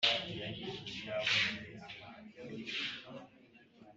ikoranabuhanga rikoreshwa mu bwisungane